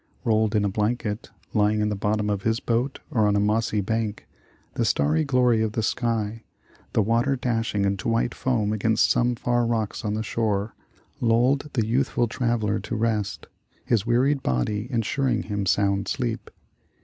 Rolled in a blanket, lying in the bottom of his boat or on a mossy bank, the starry glory of the sky, the water dashing into white foam against some far rocks on the shore, lulled the youthful traveler to rest, his wearied body insuring him sound sleep.